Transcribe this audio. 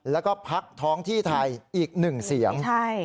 แล้วก็พักท้องที่ไทยอีกหนึ่งเสียง